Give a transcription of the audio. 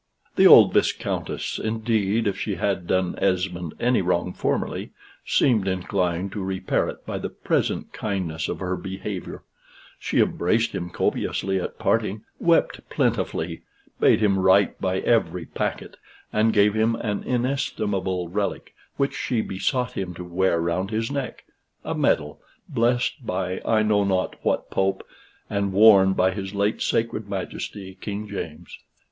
The old Viscountess, indeed, if she had done Esmond any wrong formerly, seemed inclined to repair it by the present kindness of her behavior: she embraced him copiously at parting, wept plentifully, bade him write by every packet, and gave him an inestimable relic, which she besought him to wear round his neck a medal, blessed by I know not what pope, and worn by his late sacred Majesty King James.